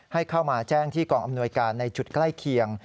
ให้เข้ามาแจ้งที่กองอำนวยการในจุดใกล้เคียง